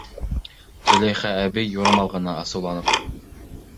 Зөләйха әбей, юрамал ғына асыуланып: